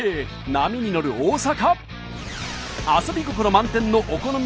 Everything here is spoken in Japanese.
波に乗る大阪。